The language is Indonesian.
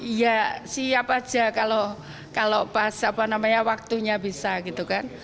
iya siap aja kalau pas apa namanya waktunya bisa gitu kan